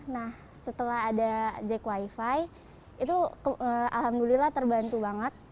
nah setelah ada jack wifi itu alhamdulillah terbantu banget